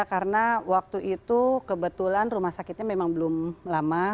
karena waktu itu kebetulan rumah sakitnya memang belum lama